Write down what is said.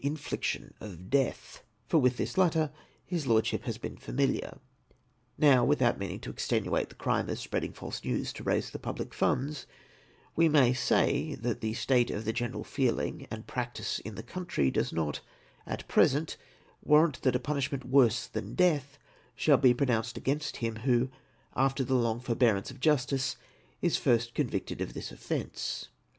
infliction of death, for with this latter his Lordship has been familiar. Now, without meaning to extenuate the crime of spreading false news to raise the public funds, we may say that the state of the general feeling and practice in the country does not at present warrant that a punishment worse than death shall be pronounced against him, who, after the long forbearance of justice, is first convicted of this offence.